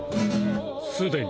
すでに。